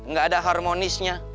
gak ada harmonisnya